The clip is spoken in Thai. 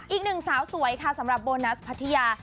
อีกหนึ่งสาวสวยค่ะสำหรับโบนัสพัทยา